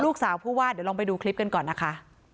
ลูกสาวผู้ว่าเดี๋ยวลองไปดูคลิปกันก่อนนะคะ